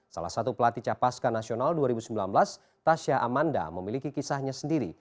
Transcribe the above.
salah satu pelatih capaska nasional dua ribu sembilan belas tasyah amanda memiliki kisahnya sendiri